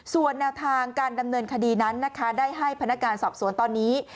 ส่วนแนวทางการดำเนินคดีนั้นนะคะได้ให้พนักการสอบสวนตอนนี้